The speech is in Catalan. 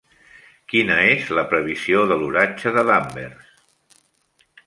Quina és la previsió de l'oratge de Danvers